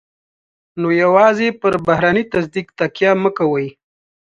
نو يوازې پر بهرني تصديق تکیه مه کوئ.